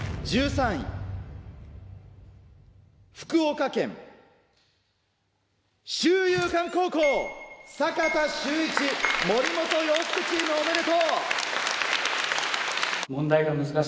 福岡県修猷館高校坂田修一・森本耀介チームおめでとう！